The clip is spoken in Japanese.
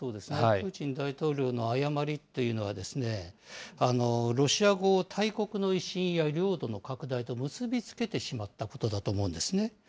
プーチン大統領の誤りというのは、ロシア語を大国の威信や領土の拡大と結び付てしまったことだと思うんですね。